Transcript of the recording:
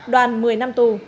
đoàn một mươi năm tù